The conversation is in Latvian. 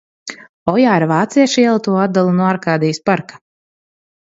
Ojāra Vācieša iela to atdala no Arkādijas parka.